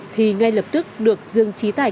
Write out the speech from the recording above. thì ngay lập tức được dương trí tài